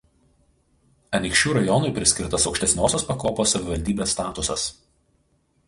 Anykščių rajonui priskirtas aukštesniosios pakopos savivaldybės statusas.